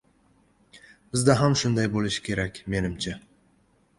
Bizda ham shunday bo‘lishi kerak, menimcha.